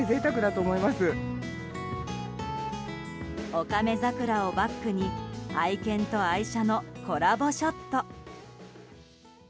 オカメザクラをバックに愛犬と愛車のコラボショット。